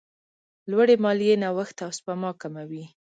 لوړې مالیې نوښت او سپما کموي.